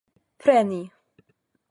preni